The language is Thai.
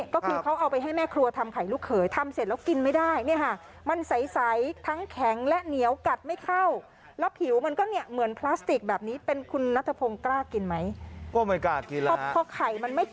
พอปรุงเสร็จมันเป็นแบบนี้เขาก็เอาไปให้แม่ครัวทำไข่ลูกเขย